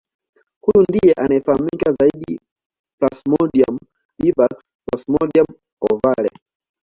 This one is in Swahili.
Huyu ndiye anayefahamika zaidi Plasmodium vivax Plasmodium ovale